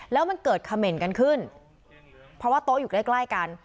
แล้วมันเกิดคาเมนต์กันขึ้นเพราะว่าโต๊ะอยู่ใกล้กัน